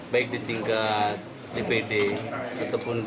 baik di tingkat dpd ataupun dpd